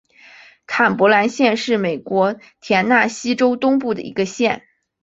坎伯兰县是美国田纳西州东部的一个县。